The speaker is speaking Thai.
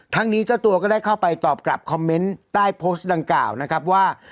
นี้เจ้าตัวก็ได้เข้าไปตอบกลับคอมเมนต์ใต้โพสต์ดังกล่าวนะครับว่า